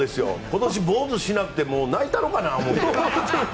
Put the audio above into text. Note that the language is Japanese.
今年、坊主にしなくて泣いたろかなと思って。